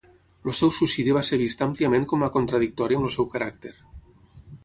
El seu suïcidi va ser vist àmpliament com a contradictori amb el seu caràcter.